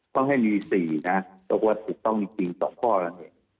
ต้องให้มีสี่นะเราก็ว่าถูกต้องมีจริง๒ข้อแล้วเนี่ย